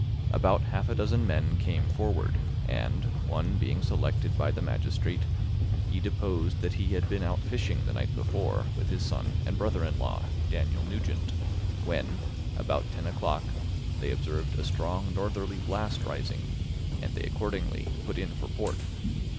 About half a dozen men came forward; and, one being selected by the magistrate, he deposed that he had been out fishing the night before with his son and brother in law, Daniel Nugent, when, about ten o'clock, they observed a strong northerly blast rising, and they accordingly put in for port.